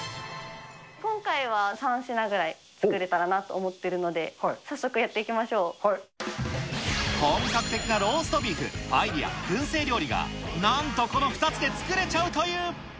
今回は、３品ぐらい作れたらなと思ってるので、早速、本格的なローストビーフ、パエリア、くん製料理がなんと、この２つで作れちゃうという。